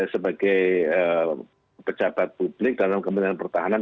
sebagai pejabat publik dalam kementerian pertahanan